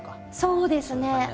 そうですね。